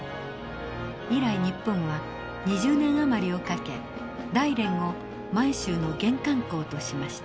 以来日本は２０年余りをかけ大連を満州の玄関港としました。